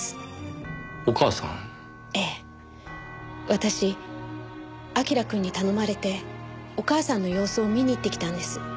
私彬くんに頼まれてお母さんの様子を見に行ってきたんです。